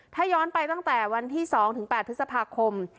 ถ้าย้อนไปตั้งแต่วันที่๒๘พฤษภาคม